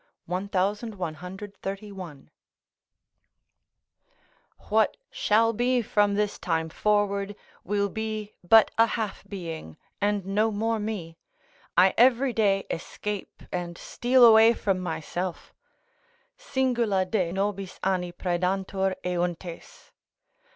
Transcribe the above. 1131.] what shall be from this time forward, will be but a half being, and no more me: I every day escape and steal away from myself: "Singula de nobis anni praedantur euntes."